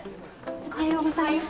おはようございます。